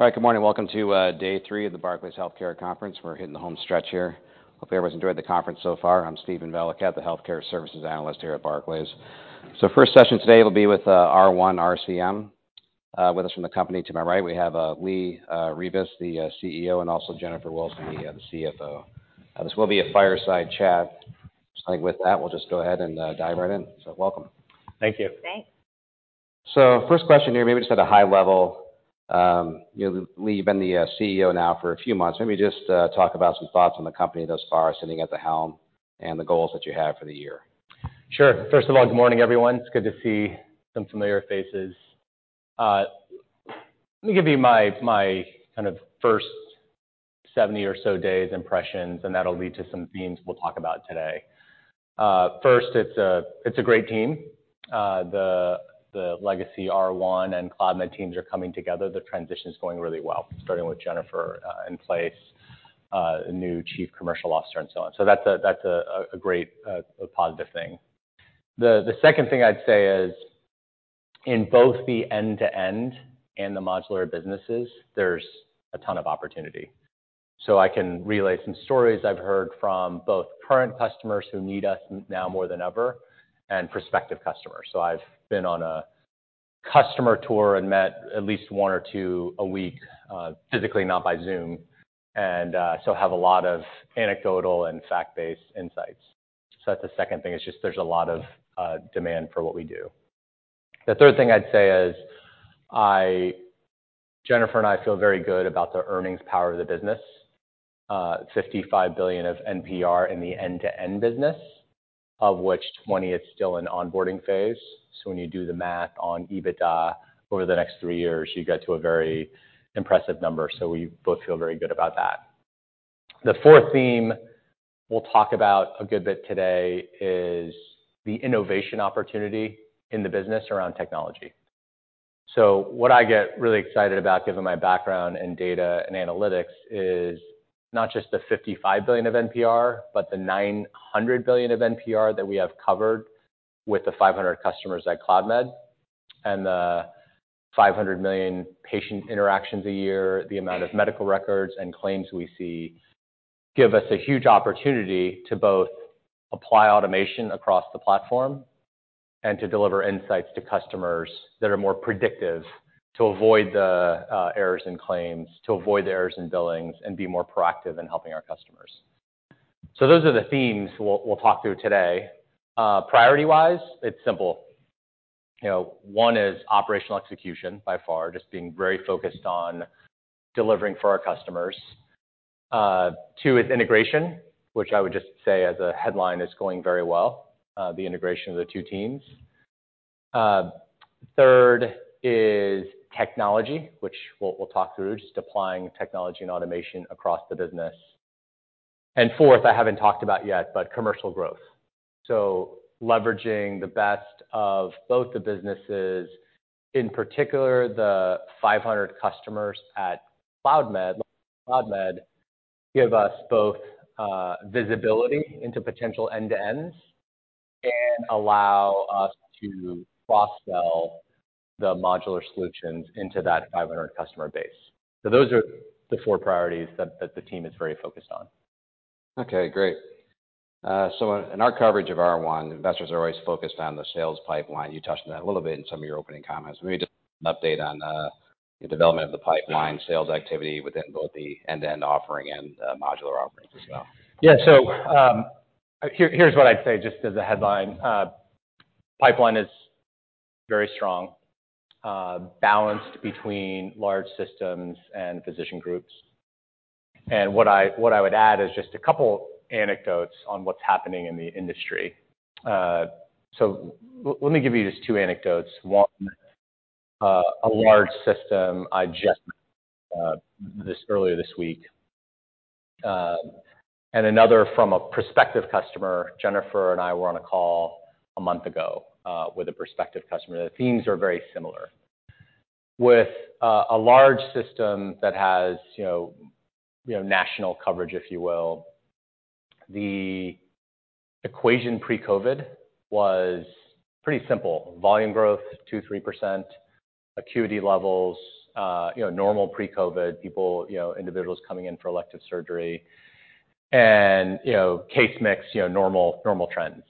All right, good morning. Welcome to day three of the Barclays Healthcare Conference. We're hitting the home stretch here. Hope everyone's enjoyed the conference so far. I'm Steven Valiquette, the healthcare services analyst here at Barclays. First session today will be with R1 RCM. With us from the company to my right, we have Lee Rivas, the CEO, and also Jennifer Williams, the CFO. This will be a fireside chat. I think with that, we'll just go ahead and dive right in. Welcome. Thank you. Thanks. First question here, maybe just at a high level, you know, Lee, you've been the CEO now for a few months. Maybe just talk about some thoughts on the company thus far, sitting at the helm and the goals that you have for the year. Sure. First of all, good morning, everyone. It's good to see some familiar faces. Let me give you my kind of first 70 or so days impressions, and that'll lead to some themes we'll talk about today. First, it's a great team. The legacy R1 and Cloudmed teams are coming together. The transition's going really well, starting with Jennifer Williams in place, a new chief commercial officer and so on. That's a great positive thing. The second thing I'd say is, in both the end-to-end and the modular businesses, there's a ton of opportunity. I can relay some stories I've heard from both current customers who need us now more than ever and prospective customers. I've been on a customer tour and met at least one or two a week, physically, not by Zoom, and so have a lot of anecdotal and fact-based insights. That's the second thing, is just there's a lot of demand for what we do. The third thing I'd say is Jennifer and I feel very good about the earnings power of the business. $55 billion of NPR in the end-to-end business, of which $20 billion is still in onboarding phase. When you do the math on EBITDA over the next three years, you get to a very impressive number. We both feel very good about that. The fourth theme we'll talk about a good bit today is the innovation opportunity in the business around technology. What I get really excited about, given my background in data and analytics, is not just the $55 billion of NPR, but the $900 billion of NPR that we have covered with the 500 customers at Cloudmed and the 500 million patient interactions a year. The amount of medical records and claims we see give us a huge opportunity to both apply automation across the platform and to deliver insights to customers that are more predictive to avoid the errors in claims, to avoid the errors in billings, and be more proactive in helping our customers. Those are the themes we'll talk through today. Priority-wise, it's simple. You know, one is operational execution by far, just being very focused on delivering for our customers. Two is integration, which I would just say as a headline is going very well, the integration of the two teams. Third is technology, which we'll talk through, just applying technology and automation across the business. Fourth, I haven't talked about yet, but commercial growth. Leveraging the best of both the businesses, in particular, the 500 customers at Cloudmed. Cloudmed give us both, visibility into potential end-to-ends and allow us to cross-sell the modular solutions into that 500 customer base. Those are the four priorities that the team is very focused on. Okay, great. In our coverage of R1, investors are always focused on the sales pipeline. You touched on that a little bit in some of your opening comments. Maybe just an update on the development of the pipeline sales activity within both the end-to-end offering and modular offerings as well. Yeah. Here's what I'd say just as a headline. Pipeline is very strong, balanced between large systems and physician groups. What I would add is just a couple anecdotes on what's happening in the industry. Let me give you just two anecdotes. One, a large system this earlier this week, and another from a prospective customer. Jennifer and I were on a call a month ago with a prospective customer. The themes are very similar. With a large system that has, you know, national coverage, if you will, the equation pre-COVID was pretty simple. Volume growth 2%, 3%, acuity levels, you know, normal pre-COVID, people, you know, individuals coming in for elective surgery, and, you know, case mix, you know, normal trends.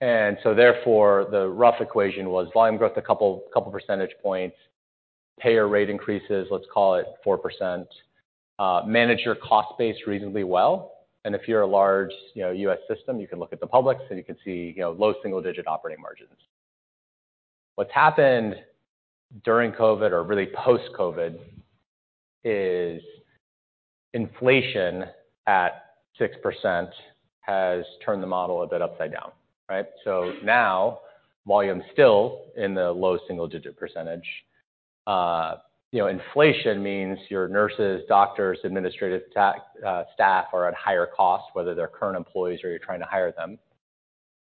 Therefore, the rough equation was volume growth a couple percentage points, payer rate increases, let's call it 4%, manage your cost base reasonably well, and if you're a large, you know, U.S. system, you can look at the public, so you can see, you know, low single-digit operating margins. What's happened during COVID or really post-COVID is inflation at 6% has turned the model a bit upside down, right? Now, volume's still in the low single-digit percentage. you know, inflation means your nurses, doctors, administrative staff are at higher cost, whether they're current employees or you're trying to hire them.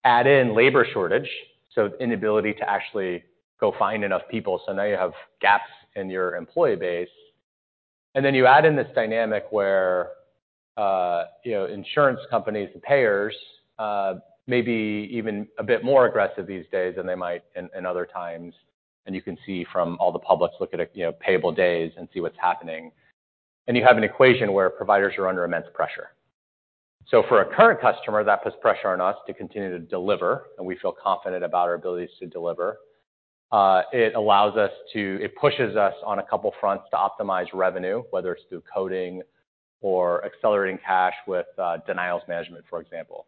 Add in labor shortage, so inability to actually go find enough people. Now you have gaps in your employee base. You add in this dynamic where, you know, insurance companies, the payers, may be even a bit more aggressive these days than they might in other times. You can see from all the publics look at, you know, payable days and see what's happening. You have an equation where providers are under immense pressure. For a current customer, that puts pressure on us to continue to deliver, and we feel confident about our abilities to deliver. It pushes us on a couple fronts to optimize revenue, whether it's through coding or accelerating cash with denials management, for example.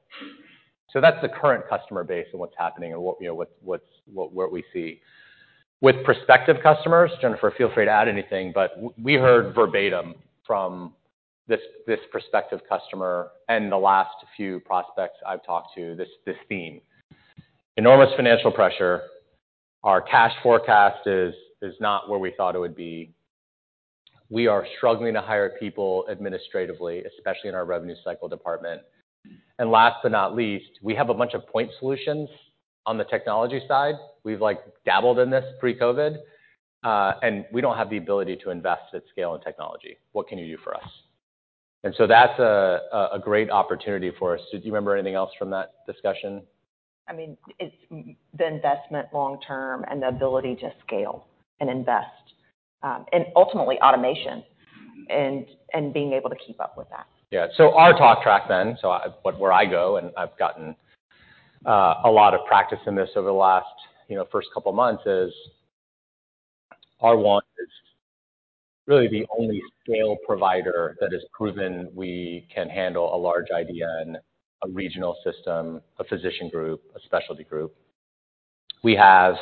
That's the current customer base and what's happening and what, you know, what we see. With prospective customers, Jennifer, feel free to add anything, but we heard verbatim from this prospective customer and the last few prospects I've talked to, this theme. Enormous financial pressure. Our cash forecast is not where we thought it would be. We are struggling to hire people administratively, especially in our revenue cycle department. Last but not least, we have a bunch of point solutions on the technology side. We've, like, dabbled in this pre-COVID and we don't have the ability to invest at scale in technology. What can you do for us? That's a great opportunity for us. Do you remember anything else from that discussion? I mean, it's the investment long term and the ability to scale and invest, and ultimately automation and being able to keep up with that. Yeah. Our talk track then, where I go, and I've gotten a lot of practice in this over the last, you know, first couple months, is our want is really the only scale provider that has proven we can handle a large IDN, a regional system, a physician group, a specialty group. We have,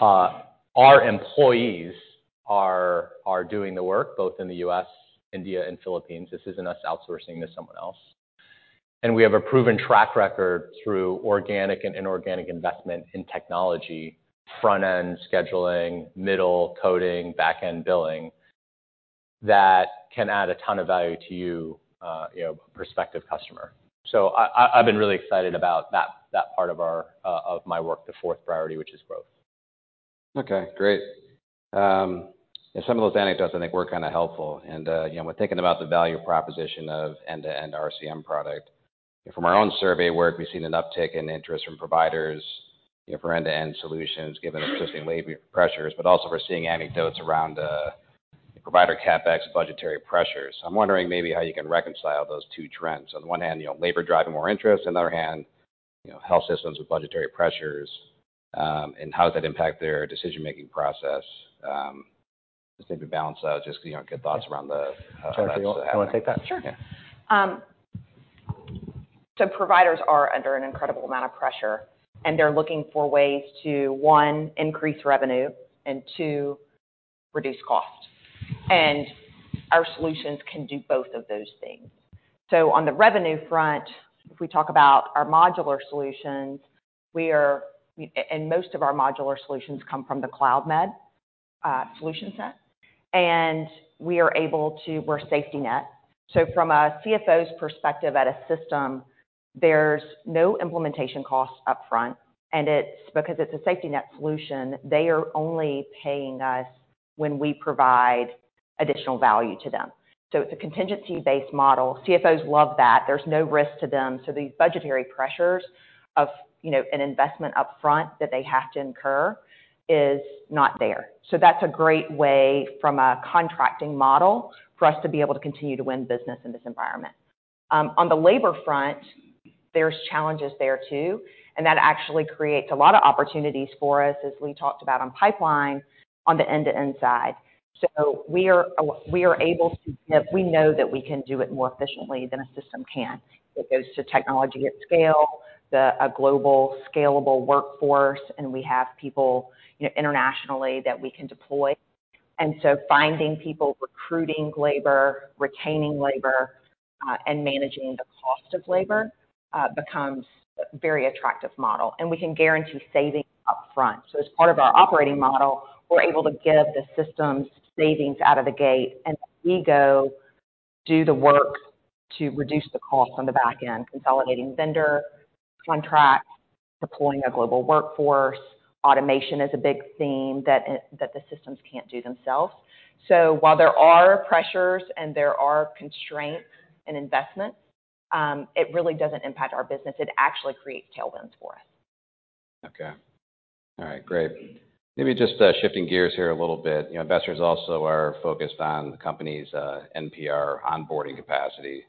our employees are doing the work both in the U.S., India and Philippines. This isn't us outsourcing to someone else. We have a proven track record through organic and inorganic investment in technology, front-end scheduling, middle coding, back-end billing, that can add a ton of value to you know, prospective customer. I've been really excited about that part of our of my work, the fourth priority, which is growth. Okay, great. Some of those anecdotes I think were kind of helpful. You know, we're thinking about the value proposition of end-to-end RCM product. From our own survey work, we've seen an uptick in interest from providers, you know, for end-to-end solutions given existing labor pressures, but also we're seeing anecdotes around provider CapEx budgetary pressures. I'm wondering maybe how you can reconcile those two trends. On the one hand, you know, labor driving more interest, on the other hand, you know, health systems with budgetary pressures, and how does that impact their decision-making process? Just maybe balance out just 'cause you don't get thoughts around the that's happening. Jennifer, you wanna take that? Sure. Yeah. Providers are under an incredible amount of pressure, and they're looking for ways to, one, increase revenue, and two, reduce cost. Our solutions can do both of those things. On the revenue front, if we talk about our modular solutions, most of our modular solutions come from the Cloudmed solution set. We're safety net. From a CFO's perspective at a system, there's no implementation costs up front, and it's because it's a safety net solution, they are only paying us when we provide additional value to them. It's a contingency-based model. CFOs love that. There's no risk to them. The budgetary pressures of, you know, an investment up front that they have to incur is not there. That's a great way from a contracting model for us to be able to continue to win business in this environment. On the labor front, there's challenges there too, and that actually creates a lot of opportunities for us, as Lee talked about on pipeline, on the end-to-end side. We are able to... We know that we can do it more efficiently than a system can. It goes to technology at scale, the global scalable workforce, and we have people, you know, internationally that we can deploy. Finding people, recruiting labor, retaining labor, and managing the cost of labor, becomes a very attractive model. We can guarantee savings up front. As part of our operating model, we're able to give the systems savings out of the gate, and we go do the work to reduce the cost on the back end, consolidating vendor contracts, deploying a global workforce. Automation is a big theme that the systems can't do themselves. While there are pressures and there are constraints in investment, it really doesn't impact our business. It actually creates tailwinds for us. Okay. All right. Great. Maybe just shifting gears here a little bit. You know, investors also are focused on the company's NPR onboarding capacity.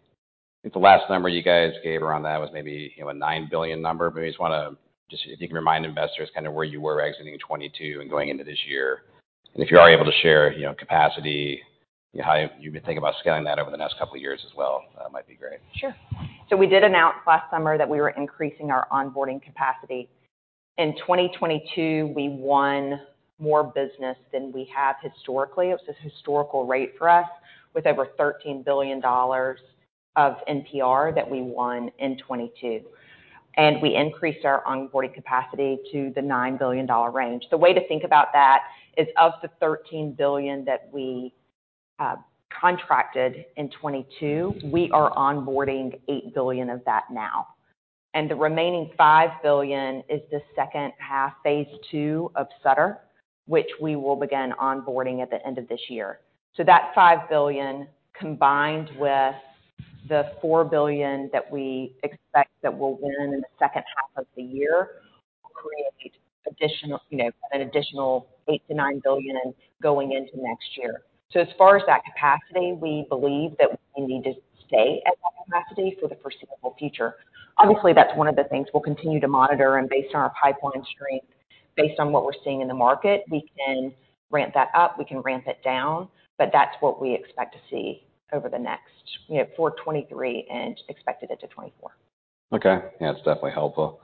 I think the last number you guys gave around that was maybe, you know, a $9 billion number. Maybe just wanna just if you can remind investors kind of where you were exiting 2022 and going into this year. If you are able to share, you know, capacity, how you think about scaling that over the next couple of years as well, that might be great. Sure. We did announce last summer that we were increasing our onboarding capacity. In 2022, we won more business than we have historically. It was a historical rate for us with over $13 billion of NPR that we won in 2022. We increased our onboarding capacity to the $9 billion range. The way to think about that is of the $13 billion that we contracted in 2022, we are onboarding $8 billion of that now. And the remaining $5 billion is the H2, phase two of Sutter, which we will begin onboarding at the end of this year. That $5 billion, combined with the $4 billion that we expect that we'll win in the H2 of the year, will create additional, you know, an additional $8-9 billion going into next year. As far as that capacity, we believe that we need to stay at that capacity for the foreseeable future. Obviously, that's one of the things we'll continue to monitor. Based on our pipeline strength, based on what we're seeing in the market, we can ramp that up, we can ramp it down, but that's what we expect to see over the next, you know, for 2023 and expected into 2024. Okay. Yeah, that's definitely helpful.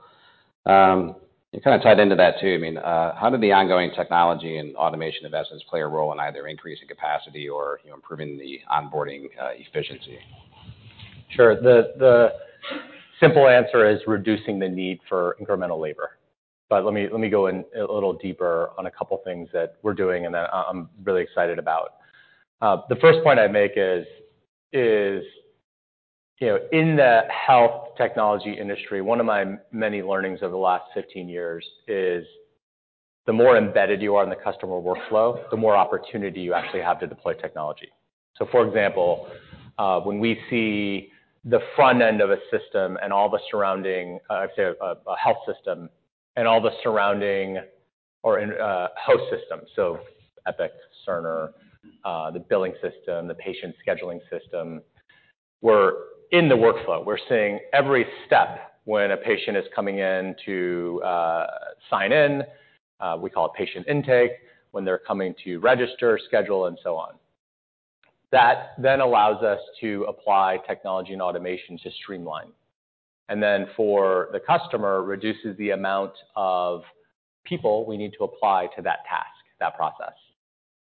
Kind of tied into that too, I mean, how did the ongoing technology and automation investments play a role in either increasing capacity or, you know, improving the onboarding, efficiency? Sure. The simple answer is reducing the need for incremental labor. Let me go in a little deeper on a couple things that we're doing and that I'm really excited about. The first point I'd make is, you know, in the health technology industry, one of my many learnings over the last 15 years is the more embedded you are in the customer workflow, the more opportunity you actually have to deploy technology. For example, when we see the front end of a system and all the surrounding, I'd say a health system and all the surrounding or host system, Epic, Oracle Health, the billing system, the patient scheduling system, we're in the workflow. We're seeing every step when a patient is coming in to sign in, we call it patient intake, when they're coming to register, schedule, and so on. That allows us to apply technology and automation to streamline. Then for the customer, reduces the amount of people we need to apply to that task, that process.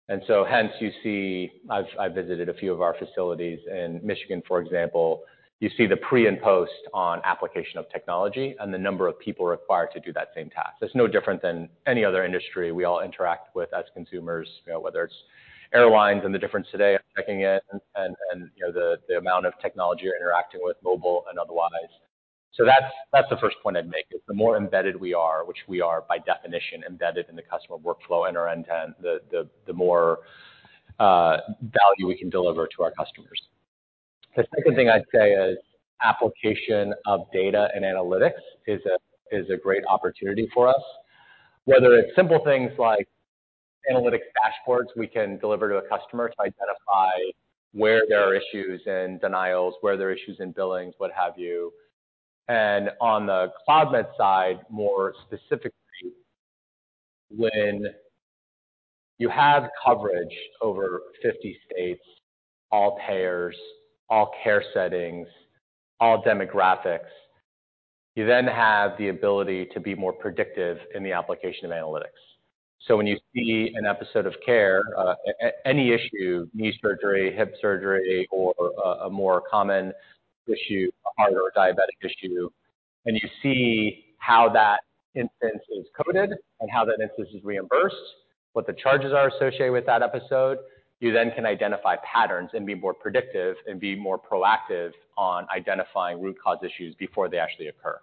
Hence you see I've visited a few of our facilities in Michigan, for example. You see the pre and post on application of technology and the number of people required to do that same task. It's no different than any other industry we all interact with as consumers, you know, whether it's airlines and the difference today of checking in and, you know, the amount of technology you're interacting with mobile and otherwise. That's the first point I'd make, is the more embedded we are, which we are by definition embedded in the customer workflow end-to-end, the more value we can deliver to our customers. The second thing I'd say is application of data and analytics is a great opportunity for us. Whether it's simple things like analytics dashboards we can deliver to a customer to identify where there are issues in denials, where there are issues in billings, what have you. On the Cloudmed side, more specifically, when you have coverage over 50 states, all payers, all care settings, all demographics, you then have the ability to be more predictive in the application of analytics. When you see an episode of care, any issue, knee surgery, hip surgery, or a more common issue, a heart or a diabetic issue, and you see how that instance is coded and how that instance is reimbursed, what the charges are associated with that episode, you then can identify patterns and be more predictive and be more proactive on identifying root cause issues before they actually occur.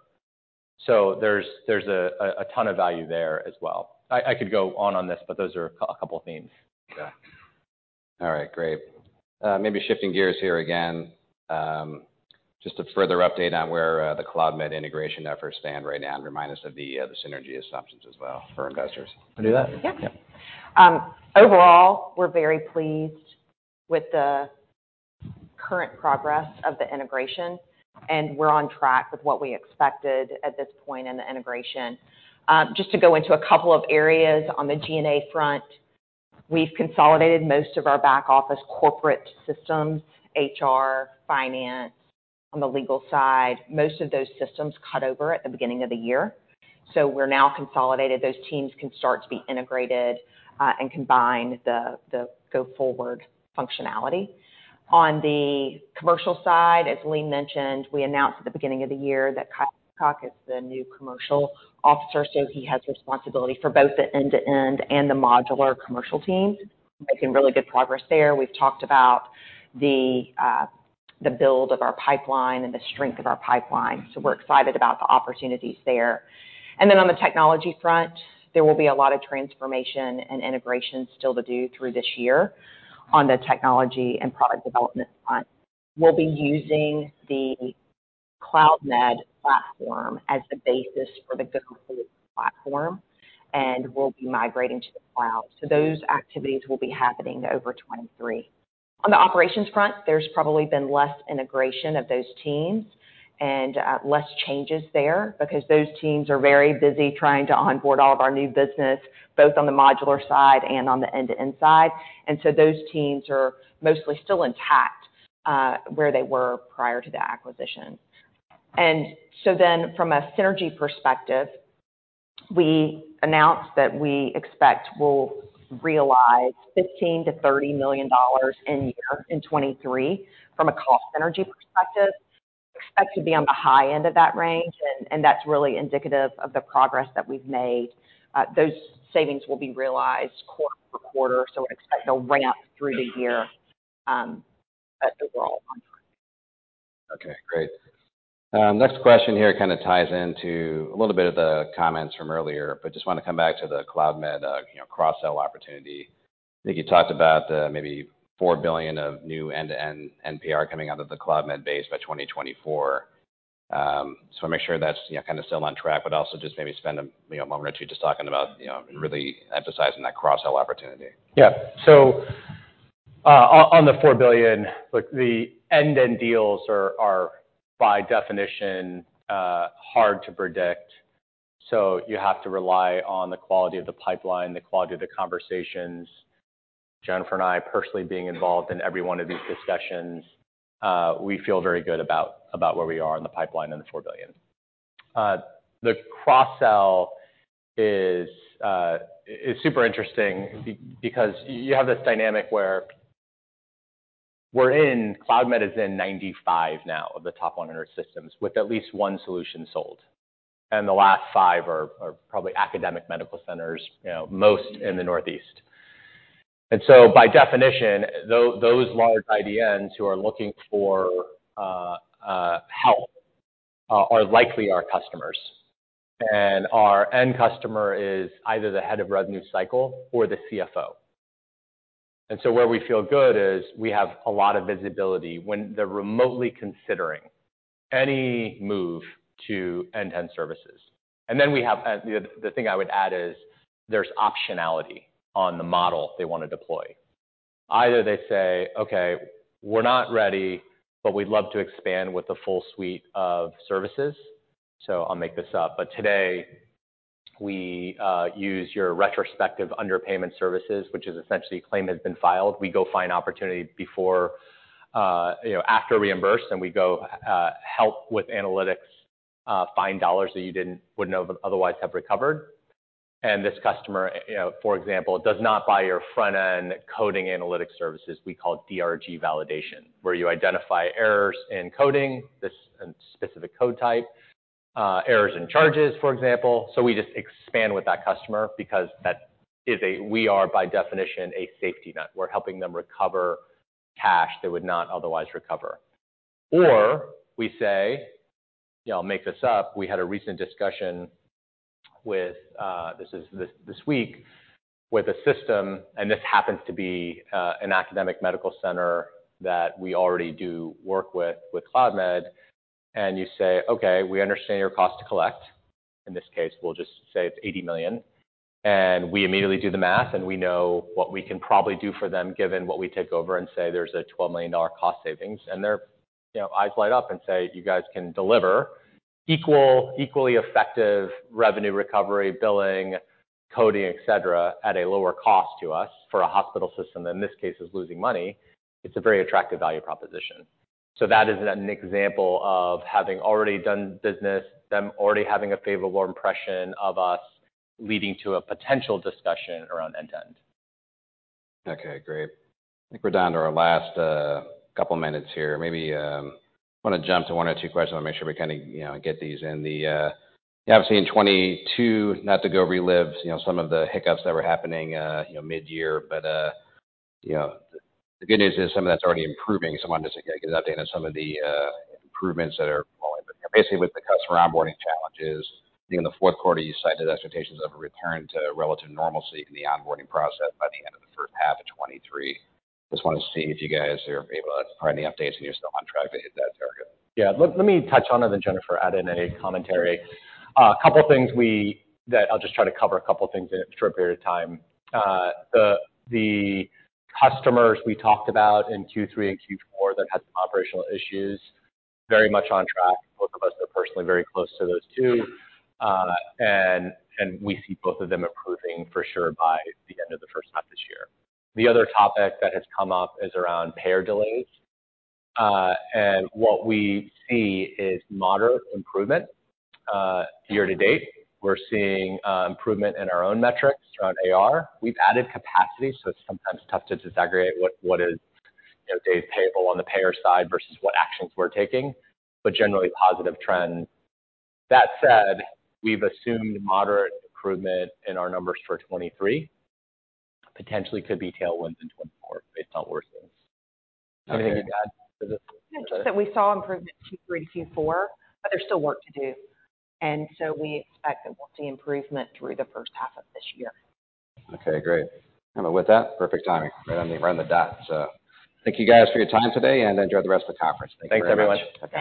There's a ton of value there as well. I could go on on this, but those are a couple themes. Yeah. All right, great. Maybe shifting gears here again, just a further update on where, the Cloudmed integration efforts stand right now and remind us of the synergy assumptions as well for investors. Want to do that? Yeah. Yeah. Overall, we're very pleased with the current progress of the integration, and we're on track with what we expected at this point in the integration. Just to go into a couple of areas on the G&A front, we've consolidated most of our back office corporate systems, HR, finance. On the legal side, most of those systems cut over at the beginning of the year. We're now consolidated. Those teams can start to be integrated and combine the go-forward functionality. On the commercial side, as Lee mentioned, we announced at the beginning of the year that Kyle Hicok is the new Chief Commercial Officer, he has responsibility for both the end-to-end and the modular commercial teams. Making really good progress there. We've talked about the build of our pipeline and the strength of our pipeline. We're excited about the opportunities there. On the technology front, there will be a lot of transformation and integration still to do through this year on the technology and product development front. We'll be using the Cloudmed platform as the basis for the go-forward platform, and we'll be migrating to the cloud. Those activities will be happening over 2023. On the operations front, there's probably been less integration of those teams and less changes there because those teams are very busy trying to onboard all of our new business, both on the modular side and on the end-to-end side. Those teams are mostly still intact where they were prior to the acquisition. From a synergy perspective, we announced that we expect we'll realize $15 million-$30 million in year, in 2023 from a cost synergy perspective. Expect to be on the high end of that range, and that's really indicative of the progress that we've made. Those savings will be realized quarter-over-quarter. Expect to ramp through the year. They're all on time. Next question here kind of ties into a little bit of the comments from earlier, but just wanna come back to the Cloudmed, you know, cross-sell opportunity. I think you talked about, maybe $4 billion of new end-to-end NPR coming out of the Cloudmed base by 2024. I wanna make sure that's, you know, kinda still on track, but also just maybe spend a, you know, moment or two just talking about, you know, and really emphasizing that cross-sell opportunity. Yeah. On the $4 billion, look, the end-to-end deals are by definition hard to predict, so you have to rely on the quality of the pipeline, the quality of the conversations. Jennifer and I personally being involved in every one of these discussions, we feel very good about where we are in the pipeline and the $4 billion. The cross-sell is super interesting because you have this dynamic where we're in. Cloudmed is in 95 now of the top 100 systems with at least one solution sold, and the last 5 are probably academic medical centers, you know, most in the Northeast. By definition, those large IDNs who are looking for help are likely our customers. Our end customer is either the head of revenue cycle or the CFO. Where we feel good is we have a lot of visibility when they're remotely considering any move to end-to-end services. Then we have. The thing I would add is there's optionality on the model they wanna deploy. Either they say, "Okay, we're not ready, but we'd love to expand with the full suite of services." I'll make this up, but today we use your retrospective underpayment services, which is essentially claim has been filed. We go find opportunity before, you know, after reimbursed, and we go help with analytics, find dollars that you wouldn't otherwise have recovered. This customer, you know, for example, does not buy your front-end coding analytics services we call DRG validation, where you identify errors in coding this specific code type, errors in charges, for example. We just expand with that customer because we are by definition a safety net. We're helping them recover cash they would not otherwise recover. We say, you know, I'll make this up, we had a recent discussion with this week, with a system, and this happens to be an academic medical center that we already do work with with Cloudmed. You say, "Okay, we understand your cost to collect." In this case, we'll just say it's $80 million. We immediately do the math, and we know what we can probably do for them given what we take over and say there's a $12 million cost savings. Their, you know, eyes light up and say, "You guys can deliver equal, equally effective revenue recovery, billing, coding, et cetera, at a lower cost to us for a hospital system," in this case is losing money. It's a very attractive value proposition. That is an example of having already done business, them already having a favorable impression of us, leading to a potential discussion around end-to-end. Okay, great. I think we're down to our last, couple minutes here. Maybe, wanna jump to one or two questions and make sure we kinda, you know, get these in. The, obviously in 2022, not to go relive, you know, some of the hiccups that were happening, you know, midyear, but, you know, the good news is some of that's already improving. Why don't just, again, give an update on some of the improvements that are ongoing? You know, basically with the customer onboarding challenges in the fourth quarter, you cited expectations of a return to relative normalcy in the onboarding process by the end of the H1 of 2023. Just wanted to see if you guys are able to provide any updates and you're still on track to hit that target? Yeah. Let me touch on it, Jennifer add in any commentary. A couple things that I'll just try to cover a couple things in a short period of time. The customers we talked about in Q3 and Q4 that had some operational issues, very much on track. Both of us are personally very close to those two. We see both of them improving for sure by the end of the H1 of this year. The other topic that has come up is around payer delays. What we see is moderate improvement year to date. We're seeing improvement in our own metrics around AR. We've added capacity, it's sometimes tough to disaggregate what is, you know, days payable on the payer side versus what actions we're taking, generally positive trend. That said, we've assumed moderate improvement in our numbers for 2023, potentially could be tailwinds in 2024 based on where things stand. Anything to add to this? Yeah. Just that we saw improvement Q3 to Q4, but there's still work to do. We expect that we'll see improvement through the H1 of this year. Okay, great. With that, perfect timing, right on the dot. Thank you guys for your time today, and enjoy the rest of the conference. Thank you very much. Thanks, everyone. Bye.